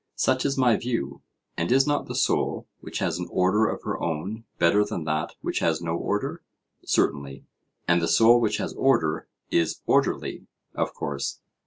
Such is my view. And is not the soul which has an order of her own better than that which has no order? Certainly. And the soul which has order is orderly? Of course.